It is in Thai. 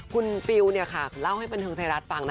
คุณฟิวเนี่ยค่ะเล่าให้บรรเทิงไทยรัฐฟังนะคะ